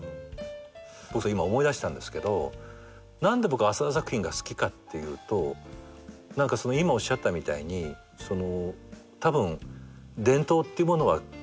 今思い出したんですけど何で僕浅田作品が好きかっていうと今おっしゃったみたいにたぶん伝統っていうものは確実に持っていなきゃいけない。